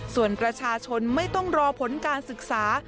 ส่วนประชาชนไม่ต้องรอผลการศึกษา